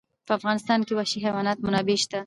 په افغانستان کې د وحشي حیوانات منابع شته.